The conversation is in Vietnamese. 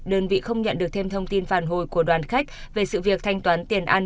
đơn vị không nhận được thêm thông tin phản hồi của đoàn khách về sự việc thanh toán tiền ăn